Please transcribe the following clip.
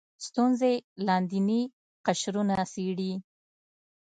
ستونزې لاندیني قشرونه څېړي